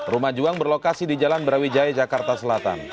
rumah juang berlokasi di jalan brawijaya jakarta selatan